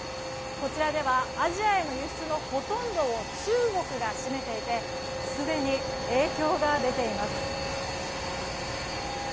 こちらではアジアへの輸出のほとんどを中国が占めていてすでに影響が出ています。